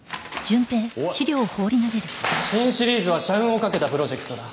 おい新シリーズは社運を懸けたプロジェクトだ